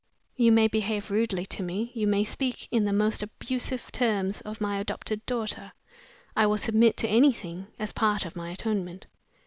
You may behave rudely to me, you may speak in the most abusive terms of my adopted daughter; I will submit to anything, as part of my atonement.